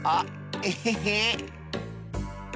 エヘヘ！